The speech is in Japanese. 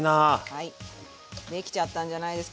はい。